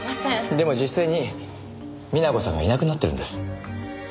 でも実際に美奈子さんがいなくなっているんです。